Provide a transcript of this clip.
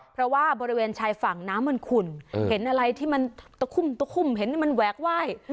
เพราะว่าบริเวณชายฝั่งน้ำมันขุ่นเห็นอะไรที่มันตะคุ่มตะคุ่มเห็นมันแหวกไหว้